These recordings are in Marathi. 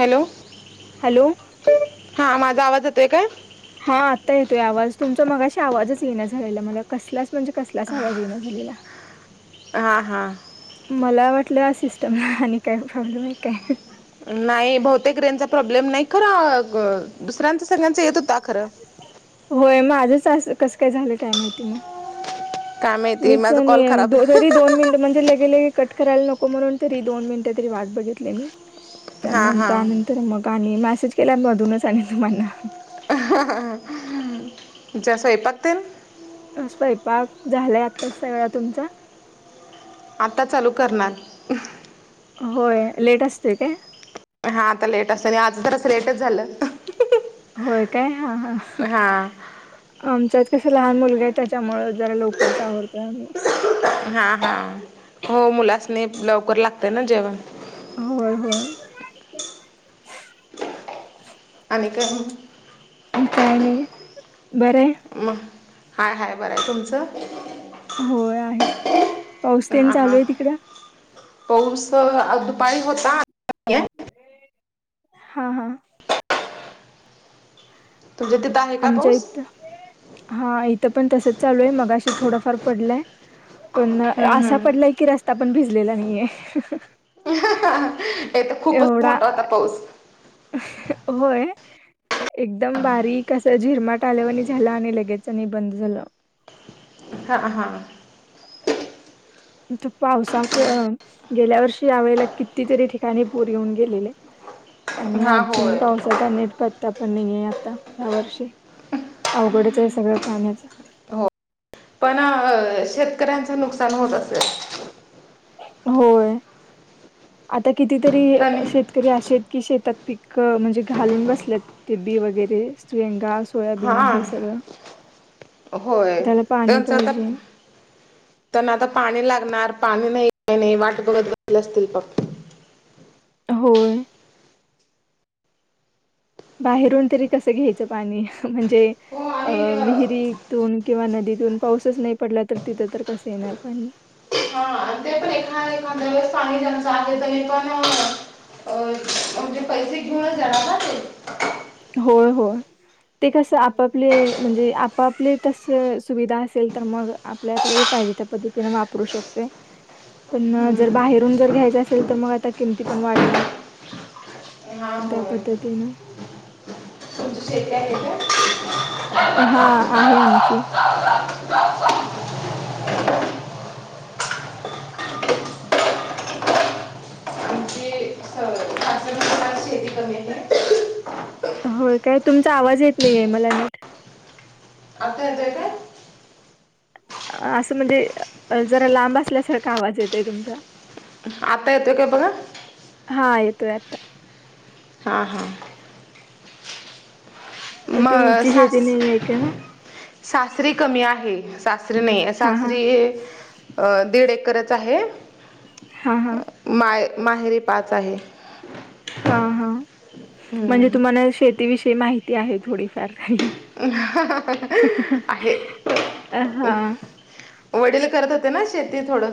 हॅलो हॅलो हा माझा आवाज येतोय काय हा आता येतोय आवाज तुमचा मगाशी आवाजच येण झालेला मला कसलाच म्हणजे कसलाच आवाज येईना झालेला हां हां मला वाटलं या सिस्टमला आणि काही प्रॉब्लेम आहे काय नाही बहुतेक रेनचा प्रॉब्लेम नाही खरं दुसऱ्यांचा सगळ्यांचा येत होता खरं. होय मग आझच कसं काय झालं काय माहिती मग. काय माहिती मीच माझा कॉल खराब तरी दोन मिनट म्हणजे लगेलेगे कट करायला नको म्हणून तरी दोन मिनिट तरी वाट बघितले मी हां म्हण हां तर मग आणि मेसेज केल्या मधूनच आणि तुम्हाना जसो एपतन स्वयंपाक झालाय आत्ताच सगळा तुमचा आता चालू करणार होय लेट असतेय काय हा आता लेट असत आणि आता तर असं लेटच झालं होय काय हा हां आमच्यात कसे लहान मुलगा आहे त्याच्यामु जरा लवकरच आवडतोय आम्ही हा हा हो मुलाच नाही लवकर लागते ना जेवण होय होय आणिनेक काय नाही बरं आहे मग हाय हाय बरं आहे तुमचं होय आहे पाऊसतेन चालू आहे तिकडं पऊस दुपारी होता हा हा तध आहे का आमच्या पाऊस इथं हा इथं पण तसच चालू आहे मग अशी थोडंफार पडलंय पण हम्म असा हम्म. पडलाय की रस्ता पण भिजलेला नाहीय हे तर खूपच मोठा आता पाऊस होय एकदम बारीक असं झिरमाट आल्यावरनी झालं आणि लगेच आणि बंद झालं हा हा त पावसाचं गेल्या वर्षी यावेळेला कितीतरी ठिकाणी पूर येऊन गेलेले आणि हा अजून होय पावसाचा नेटप पण आहे आता ह्या वर्षी अवघडच आहे सगळं पाण्याचा हो पण शेतकऱ्यांचं नुकसान होत असे होय आता कितीतरी त्याने शेत री असे आहेत की शेतात पीक म्हणजे घालून बसल्यात ते बी वगैरे तयंगा हा होय त्याला पाणी त्यांचं आता पाहिजे. त्यांना आता पाणी लागणार पाणी नाही काही नाही वाट बघत ब असतील पप् होय बाहेरून तरी कसं घ्यायचं पाणी म्हणजे हो अ आणि विहिरीतून किंवा नदीतून पाऊसच नाही पडला तर तिथं तर कस येणार पाणी हा ते प रखा रेखा पाणी अनुसार त पण अ म्हणजे पैसे घिऊन जणार होय होय ते कसं आपापले म्हणजे आपापले तस सुविधा असेल तर मग आपल्या आपल्याला पाहिजे त्या पद्धतीनं वापरू शकतोय पण जर बाहेरून जर घ्यायचं असेल तर मग आता किमती पण वाढणार ह त्या पद्धतीनं तमज शेती आहे हा आहे आमची आमची स- सासरमध्ये फार शेती हह कमी आहे होय काय तुमचा आवाज येत नाहीे मला नीट. आता येतोय काय असं म्हणजे जरा लांब असल्यासारखा आवाज येतय तुमचा. आता येतोय काय बघा हा येतोय आता हां हां अ, म तुमची शेती सस् नाही आहे का मग सासरी कमी आहे सासरी नाही हा हा सासरी अ दीड एकरच आहे. हा हां माय माहेरी पाच आहे. हा हा म्हणजे हम्म. तुम्हाला शेतीविषयी माहिती आहे थोडीफार तरी. आहे. हा हा वडील करत होते ना शेती थोडं.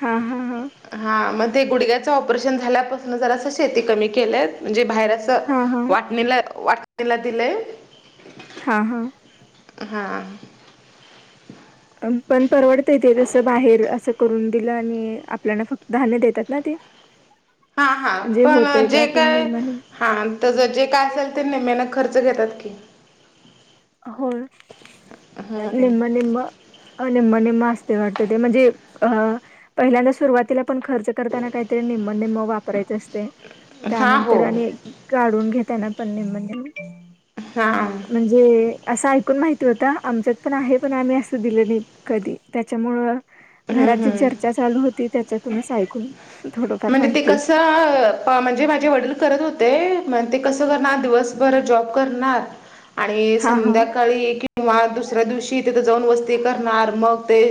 हा हा हां. हा मग ते गुडग्याचं ऑपरेशन झाल्यापासून जर असं शेती कमी केलं म्हणजे बाहेर. हां, हां. वाटणीला वाटणीला दिलंय. हा हा हां पण परवडतय ते तसं बाहेर असं करून दिलं आणि आपल्याला फक्त धान्य देतात ना ते. हा हा जे होतंय जे त्यातून काय निम्म-निम्म हा त्या जे काय असेल ते न मेन खर्च घेतात की. हो निम निम. अ निमणे मस्त वाटत ते म्हणजे अ. पहिल्यांदा सुरुवातीला पण खर्च करताना काहीतरी निम्मनम्म वापरायचे असते. हा त्यानंतर हो आणि काढून घेता येना पण म्हणज. हा म्हणजे असं ऐकून माहिती होता आमच्यात पण आहे पण आम्ही असं दिलं नाही कधी त्याच्यामुळं, हम्म घरात जी हम्म चर्चा चालू होती त्याच्या तुम्हीच ऐकून, थोडंफार म्हणजे ते माहिती कसं, म्हणजे माझे वडील करत होते मण ते कसं करणार दिवसभर जॉब करणार, आणि हा हा संध्याकाळी किंवा दुसऱ्या दिवशी तिथं जाऊन वस्ती करणार मग ते,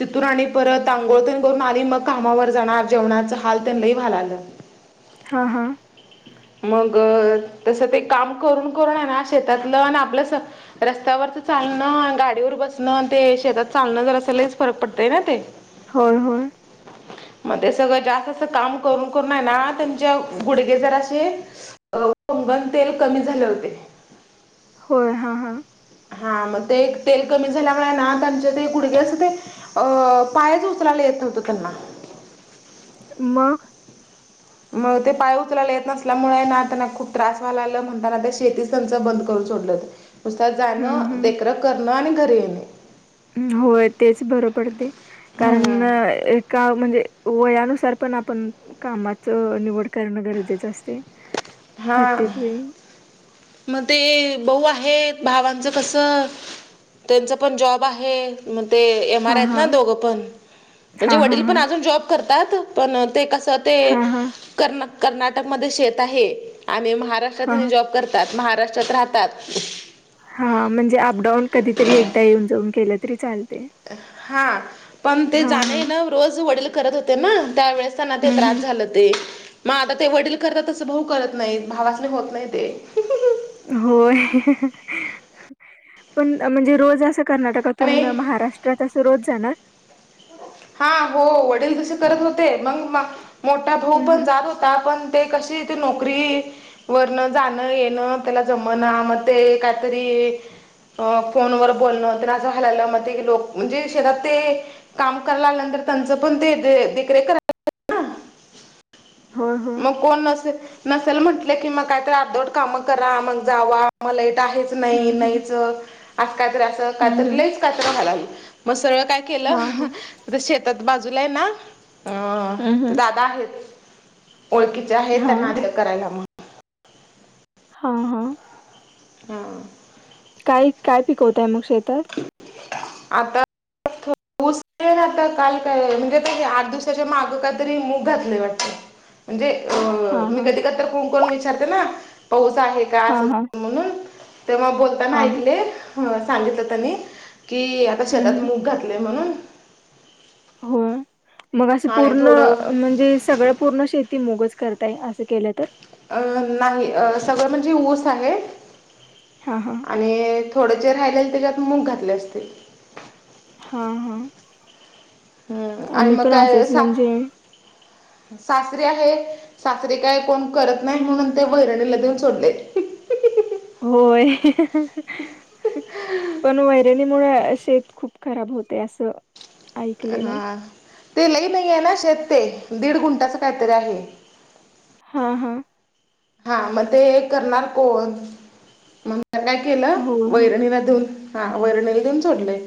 तिथून आणि परत आांघोळतगोळ मा मग कामावर जाणार जेवणाच हाल त्यांनाही वलालं, हां हां मग तस ते काम करून करून आहे ना शेतातलं आणि आपलं रस्त्यावर तर चालणं गाडीवर बसणं ते शेतात चालणं जर असलच फरक पडतय ना ते, होय होय मग ते सगळं जास्त अस काम करून करून आहे ना त्यांच्या गुडगे जर ंगण तेल कमी झाले होते. होय हां हां. हा मग ते तेल कमी झाल्यामुळे ना त्यांचे ते कुडगे अस ते, अ पायाच उचलायला येत होत त्यांना, म म मग ते पाय उचलायला येत नसल्यामुळे ना त्यांना खूप त्रास व्हालाला म्हणताना शेती च बंद करून सोडलं नसत हम्म जाणं हम्म देखकरख करणं आणि घरी येणे होय तेच बरं पडते हम्म. कारण एका म्हणजे वयानुसार पण आपण कामाच निवड करणं गरजेचं असते हा प्रत्येक वेळी मग ते बऊ आहेत भावांचं कस त्यांचं पण जॉब आहे मग ते एम आर हा आहेत हा ना दोघं पण हा म्हणजे हा वडील हा पण अजून जॉब करतात पण ते कसं ते हा हा क कर्नाटकमध्ये शेत आहे आणि हा महाराष्ट्रात जॉब महाराष्ट्रात राहतात हा हा म्हणजे अप डाऊन कधीतरी एकदा येऊन जाऊन केलं तरी चालेल हा पण ते जाणे हां. ना रोज वडील करत होते ना त्यावेेळेस ते हं, त्रास हं. झालं ते मग आता ते वडील करतात तसं भाऊ करत नाहीत भावासने होत नाही ते होय पण म्हणजे रोज असं कर्नाटक आणि परतून महाराष्ट्रात अस रोज जाणार हा हो वडील तसे करत होते मग मोठा भाऊ हं, पण हं. जात होता पण ते कशी ते नोकरी वरण जाणं येणं त्याला जमण मग ते काहीतरी अ फोन व बोलणं तरं घालायला म लोक म्हणजे शेेतात ते काम नंतर त्यांच पण ते देखरेख करायला होय हो मग कोण नसे नसेल म्हंटले की मग काहीत अर्दोड कामं करा मग जावा मला इट आहे नाही हं, नाही हं. कातरी अस हं, काातरी हं. लच कात घालावी मग सगळ काही केलं हां, हां. त शेतात बाजूला आहे ना अ हं, ते हं. दादा आहेत ओळखीचे आहे त्यांना हां, आदिच करायला मग हां हां हम काय काय पिकवतय मग शेतात आता ऊस ना आता काल काय म्हणजे आठ दिवसाच्या माग काहीतरी मूग घातलंय वाटत म्हणजे अ हां, मी हां. कधी कध कोण कोण विचारते ना पाऊस आहे का हां, अस हां. म्हणून तेव्हा बोलताना हां. ऐकले सांगितलं त्यांनी की आता हं, शेतात हं. मूंग घातले म्हणून हो मग असं आणि पूर्ण थोडं म्हणजे सगळं पूर्ण शेती मुंगच करताय असं केलं तर अ नाही सगळं म्हणजे ऊस आहे हा हा आणि थोडं जे राहिले त्याच्यात मूंग घातले असतील हा हा हम्म, आणि आम्ही मग पण असेच म्हणजे सासरीे आहे सासरीे काय कोण करत नाही म्हणून ते वहिरणी ल देेऊन सोडलेत होय पण वैरनी होय शेत खूप खराब होते असं हा ऐकलेलं ते लई नाही आहे ना शेत ते दीड गुंटाच काहीतरी आहे हा हा हा मग ते करणार कोण मग काय केलं हो हो वैरणीमधून हा वैरणीला देऊन सोडलय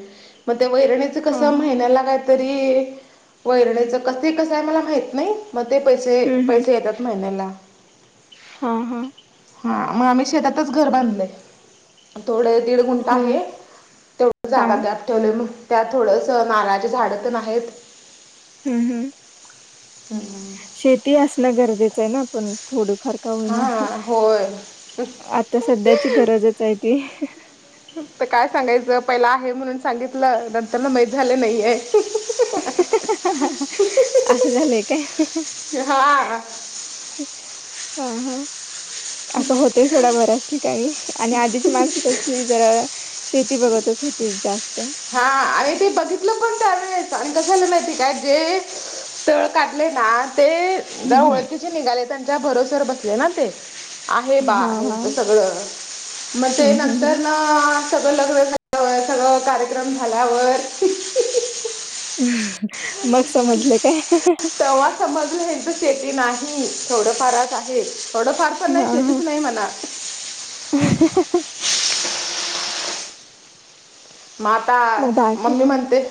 मग त्या वैरणीच हा कस हा महिन्याला तरी वैरण्याच कस कस आहे मला माहित नाही मग ते पैसे हम्म हम्म पैसे येतात महिन्याला हा हा. हा मग आम्ही शेतातच घर बांधलय. थोडे दीड गुंठ हो आहे तेवढ हा जागा द्या ठेवलय मग त्यात थोडंसं नारळाचे झाडं पण आहेत. हम् हम्. हम्म [inaudible] शेती असणं गरजेचं आहे ना पण थोड. फारका होईना हां होय आता सध्याची गरजच आहे ती. आता काय सांगायचं पहिला आहे म्हणून सांगितलं नंतर ना माैत झाले नाहीये. असं झालंय काय. हां हा हा. असं होतंय थोडा बऱ्याच ठिकाणी आणि आधीची माणसं कशी जरा. शेती बघतच होती जास्त. हा आणि ते बघितलं त्यानेच आणि कसला माती काय जे तळ काढले ना ते हम्म हम्म जवळचेच निघाले त्यांच्या भरोसर बसले ना ते. आहे बा हा हा ह्यांचं सगळं मग ते हम्म हम्म नंतर. ना सगळं लग्न झाल्यावर सगळ कार्यक्रम झाल्यावर. ह् मग समजलं काय हं हं हं. तवा समजून हे तर शेती नाही थोड फारच आहे. थोडं फार पण नाही शेतीच नाही मला. ह [unintelligible] माता मग बाकी मम्मी म्हणते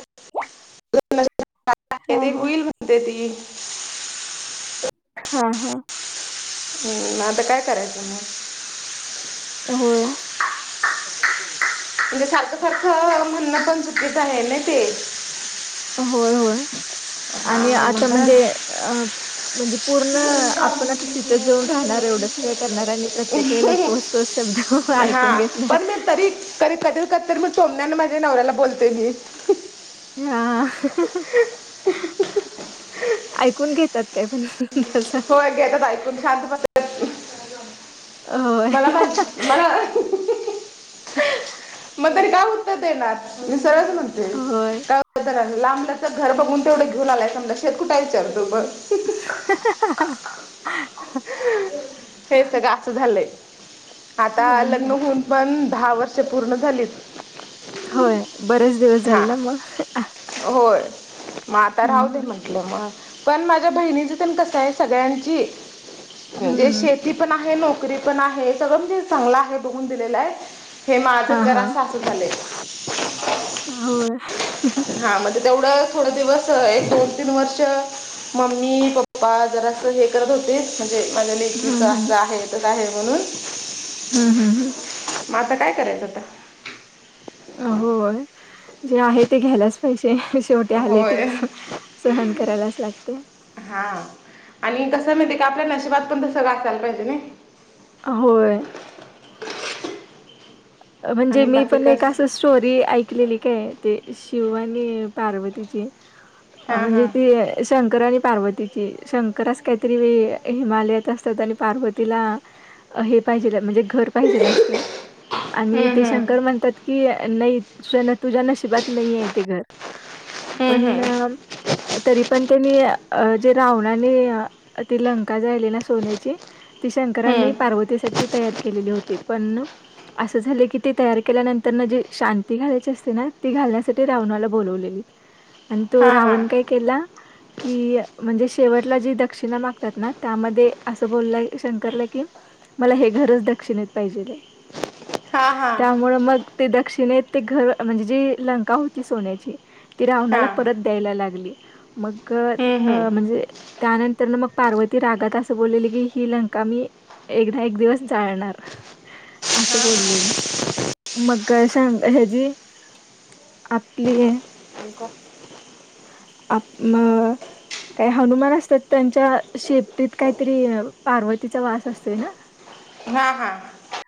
हा ते हा होईल [inaudible] ते ती [inaudible] हा हा. हम् आता काय करायचं मग. हो. म्हणजे सारखं सारखं म्हणणं पण चुकीच आहे ना ते. होय होय आणि हा आता म्हणजे अ म्हणजे पूर्ण आपण आता तिथंच जाऊन राहणार एवढं सगळं करणार आणि प्रत्येक वेळे तो म्हणतात तो शब्द ऐकून घेतला. का तर मग तोंडान माझ्या नवऱ्या बोलतेय मी. हा ऐकून घेतात काय पण. तस होय घेतात ऐकून शांत बसतात. होय मला माहिती [inaudible] मला मग त्यांनी काय उत्तर देणार मी सरवच म्हणतेय. होय. [inaudible] लांबल्याच घर बघून तेवढं घेऊन आलाय समजा शेत कुठा विचारतो ब हं हं हं हं. हे सगळ असं झालेय. आता लग्न हम्म. होऊन पण दहा वर्ष पूर्ण झालीत. होय बरेच दिवस हा झाले ना मग होय मग आता हं, राहू दे हं. म्हण ममा पण माझ्या बहिणीच तेन कस आहे सगळ्याची हं, म्हणजे शेती. हं. शेती पण आहे नोकरी पण आहे सगळं म्हणजे चांगलं आहे बघून दिलेलं आहे हे माझ हां, जरस अस खूप भ झा आहे [inaudible] हा होय. हा म्हणजे तेवढं थोडं दिवस एक दोन तीन वर्ष. मम्मी पप्पा जरा अस हे करत होते म्हणजे माझ्या हं, लेकीच असं हं. आहेच आहे म्हणून. हम हम हम. मग आता काय करायचं आता होय जे आहे ते घ्यायलाच पाहिजे शेवटे आले ते होय प सहन करायलाच लागते हा आणि कसं माहिती आहे का आपल्या नशिबात पण तसळं असायला पाहिजे न होय म्हणजे आणि मी बाकी पण एक कस असं स्टोरी ऐकलेली काय ते शिव आणि पार्वतीची अ हां म्हणजे हां ते शंकर आणि पार्वतीची शंकरच काहीतरी वेळ हिमालयात असतात आणि पार्वतीला हे पाहिजे म्हणजे घर पाहिजेला असते आणि हम्म, ते हम्म. शंकर म्हणतात की नाही त तुझ्याना अ ब नाही आहे ते घर हम्म, हम्म. पण तरी पण त्यांनी जे रावणाने ती लंका जायली ना सोन्याची ती शंकरांनी हम्म. पार्वतीसाठी तयार केलेली होती पण असं झाले की ते तयार केल्यानंतर ना जी शांती घालायची असते ना ती घालण्यासाठी रावणाला बोलवलेली आणि तो हां हां रावण काय केला कि म्हणजे शेवटला जी दक्षिणा मागतात ना त्यामध्ये असं बोललंय शंकरला की मला हे घरच दक्षिणेत पाहिजे आहे हां हां त्यामु मग ते दक्षिणेत ते घर म्हणजे जी लंका होती सोन्याची ती रावणाला हां परत द्यायला लागली मग हम्म, हम्म. अ म्हणजे त्यानंतर न मग पार्वती रागात असं बोललेलं की ही लंका मी एकदा एक दिवस जाळणार हां बोलले मगां हज आपली आहे आप काही हनुमान असतात त्यांच्या शेपटीत काहीतरी पार्वतीचा वास असतोय ना हा हा